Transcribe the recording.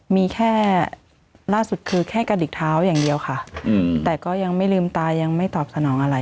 มีแค่ล่าสุดคือแค่กระดิกเท้าอย่างเดียวค่ะแต่ก็ยังไม่ลืมตายังไม่ตอบสนองอะไร